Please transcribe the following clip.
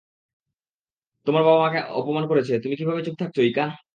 তোমার বাবা আমাকে অপমান করছে, তুমি কীভাবে চুপ থাকছো, ইকা?